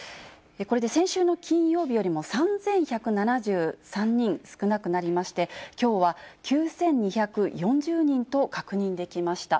これで先週の金曜日よりも３１７３人少なくなりまして、きょうは９２４０人と確認できました。